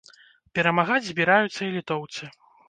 Перамагаць збіраюцца і літоўцы.